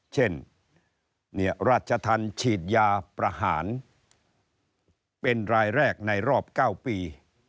เช่นราชธรรมฉีดยาประหารเป็นรายแรกในรอบ๙ปี